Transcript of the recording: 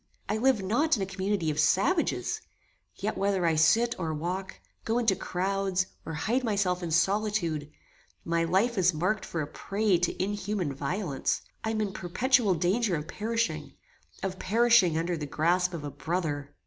I live not in a community of savages; yet, whether I sit or walk, go into crouds, or hide myself in solitude, my life is marked for a prey to inhuman violence; I am in perpetual danger of perishing; of perishing under the grasp of a brother!